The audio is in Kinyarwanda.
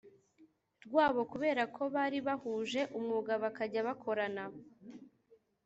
rwabo kubera ko bari bahuje umwuga bakajya bakorana